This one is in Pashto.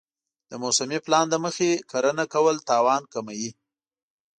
د موسمي پلان له مخې کرنه کول تاوان کموي.